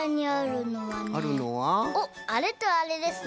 おっあれとあれですね。